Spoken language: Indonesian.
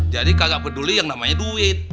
jadi kagak peduli yang namanya duit